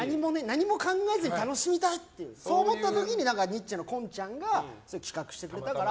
何も考えずに楽しみたいってそう思った時にニッチェの近ちゃんが企画してくれたから。